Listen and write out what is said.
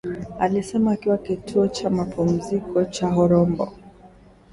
alisema akiwa katika kituo cha mapumziko cha Horombo